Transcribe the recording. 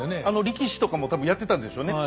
力士とかも多分やってたんでしょうね。